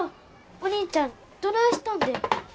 お兄ちゃんどないしたんで？